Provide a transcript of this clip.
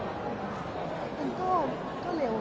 เพื่อที่จะเปลี่ยนพร้อม